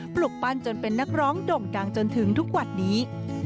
ปลุกปั้นจนเป็นนักร้องด่งดังจนถึงทุกวันนี้